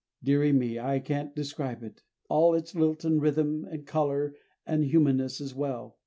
Dearie me, I can't describe it. All its lilt and rhythm and color and humanness as well.